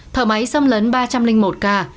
thở máy xâm lớn ba trăm linh một ca